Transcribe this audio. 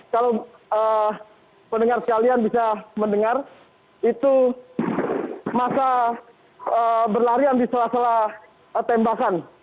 kalau pendengar sekalian bisa mendengar itu masa berlarian di salah salah tembakan